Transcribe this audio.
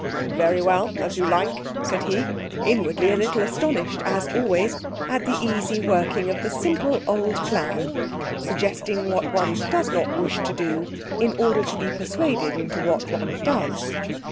'Very well as you like,' said he, inwardly a little astonished, as always, at the easy working of the simple old plan, suggesting what one does not wish to do in order to be persuaded into what one does.